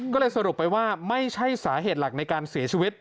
ก็เลยสรุปไปว่าไม่ใช่สาเหตุหลักในการเสียชีวิต